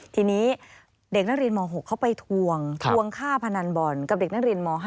ทีนี้เด็กนักเรียนม๖เขาไปทวงทวงค่าพนันบอลกับเด็กนักเรียนม๕